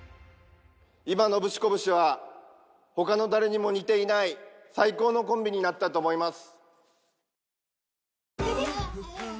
「今ノブシコブシは他の誰にも似ていない最高のコンビになったと思います」